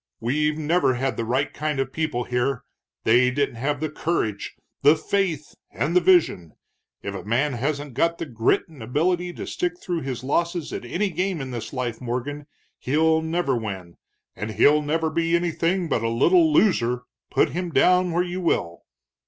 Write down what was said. We've never had the right kind of people here, they didn't have the courage, the faith, and the vision. If a man hasn't got the grit and ability to stick through his losses at any game in this life, Morgan, he'll never win. And he'll never be anything but a little loser, put him down where you will."